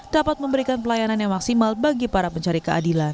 dapat memberikan pelayanan yang maksimal bagi para pencari keadilan